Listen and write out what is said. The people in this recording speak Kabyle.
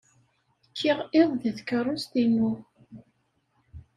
Kkiɣ iḍ deg tkeṛṛust-inu.